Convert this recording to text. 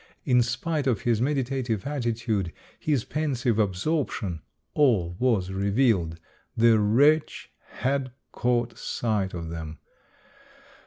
In spite of his meditative attitude, his 16 242 Mo7iday Tales, pensive absorption, all was revealed. The wretch had caught sight of them.